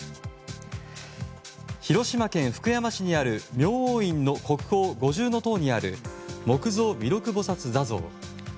広島県福山市にある明王院の国宝五重塔にある木造弥勒菩薩坐像。